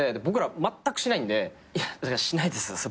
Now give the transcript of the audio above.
僕らまったくしないんでしないです